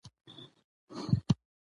د رسول اکرم صلی الله عليه وسلم د ميلاد ثبوت